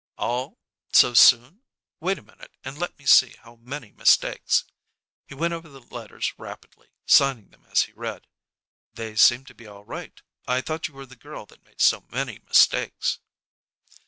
"All, so soon? Wait a minute and let me see how many mistakes." He went over the letters rapidly, signing them as he read. "They seem to be all right. I thought you were the girl that made so many mistakes."